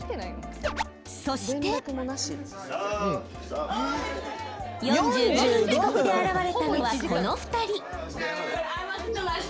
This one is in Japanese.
そして４５分遅刻で現れたのはこの２人。